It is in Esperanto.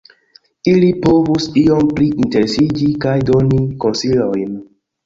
Ili povus iom pli interesiĝi kaj doni konsilojn.